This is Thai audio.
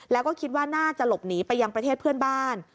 แล้วก็คิดว่าน่าจะหลบหนีไปยังประเทศเพื่อนบ้าน